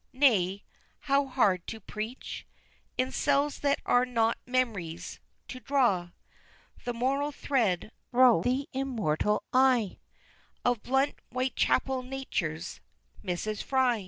Nay, how hard to preach, In cells, that are not memory's to draw The moral thread, thro' the immoral eye Of blunt Whitechapel natures, Mrs. Fry!